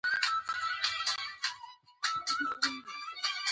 په ټولګي کې دې یې ولولي.